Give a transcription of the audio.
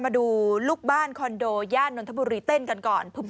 มาดูลูกบ้านคอนโดย่านนทบุรีเต้นกันก่อน